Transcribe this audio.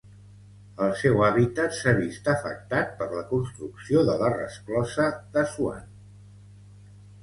El seu hàbitat s'ha vist afectat per la construcció de la resclosa d'Assuan.